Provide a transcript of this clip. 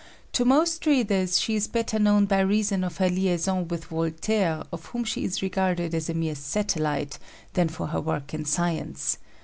" To most readers she is better known by reason of her liaison with Voltaire, of whom she is regarded as a mere satellite, than for her work in science.